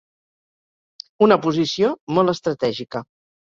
Una posició molt estratègica.